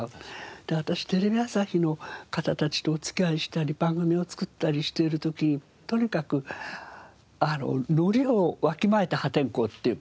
私テレビ朝日の方たちとお付き合いしたり番組を作ったりしている時にとにかくノリをわきまえた破天荒っていう感じで。